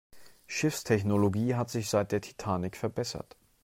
Schiffstechnologie hat sich seit der Titanic verbessert.